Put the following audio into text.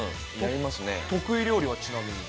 得意料理は、ちなみに？